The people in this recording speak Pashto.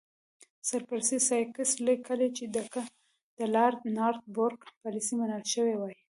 سر پرسي سایکس لیکي چې که د لارډ نارت بروک پالیسي منل شوې وای.